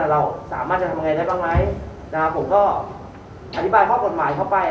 เราสามารถจะทำยังไงได้บ้างไหมผมก็อธิบายข้อกฎหมายเข้าไป